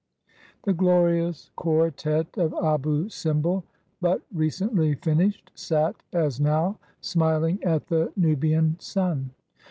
The glorious quartette of Abou Simbel, but recently J&nished, sat, as now, smiling at the Nubian sun.